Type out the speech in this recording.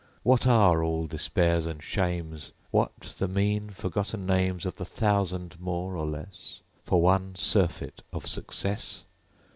What are all despairs and shames, What the mean, forgotten names Of the thousand more or less, For one surfeit of success?